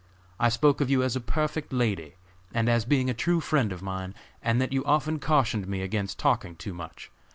I spoke of you as a perfect lady, and as being a true friend of mine, and that you often cautioned me against talking too much.